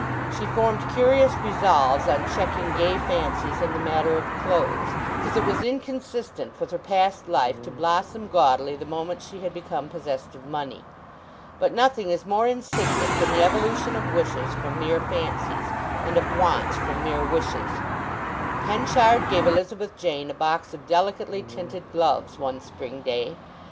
She formed curious resolves on checking gay fancies in the matter of clothes, because it was inconsistent with her past life to blossom gaudily the moment she had become possessed of money. But nothing is more insidious than the evolution of wishes from mere fancies, and of wants from mere wishes. Henchard gave Elizabeth Jane a box of delicately tinted gloves one spring day.